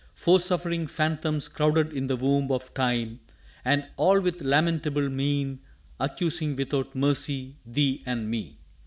Foresuffering phantoms crowded in the womb Of Time, and all with lamentable mien Accusing without mercy, thee and me!